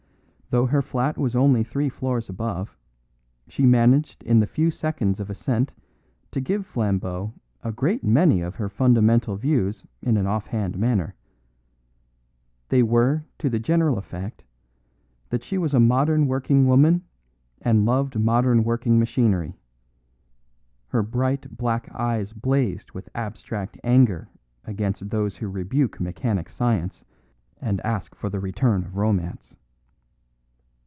Though her flat was only three floors above, she managed in the few seconds of ascent to give Flambeau a great many of her fundamental views in an off hand manner; they were to the general effect that she was a modern working woman and loved modern working machinery. Her bright black eyes blazed with abstract anger against those who rebuke mechanic science and ask for the return of romance.